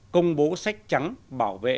công bố sách trắng bảo vệ